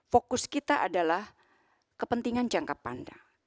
fokus kita adalah kepentingan jangka panjang